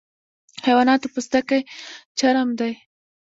د حیواناتو پوستکی چرم دی